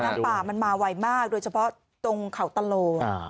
น้ำป่ามันมาไวมากโดยเฉพาะตรงเขาตะโลน